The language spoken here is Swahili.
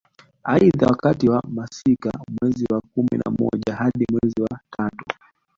Aidha wakati wa masika mwezi wa kumi na moja hadi mwezi wa tatu